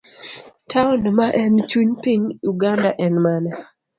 taon ma en chuny piny Uganda en mane?